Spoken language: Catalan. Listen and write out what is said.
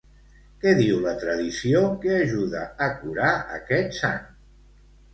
Què diu la tradició que ajuda a curar aquest sant?